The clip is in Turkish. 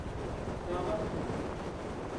Damat…